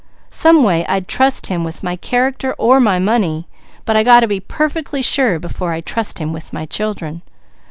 Someway I'd trust him with my character or my money, but I got to be perfectly sure before I trust him with my children.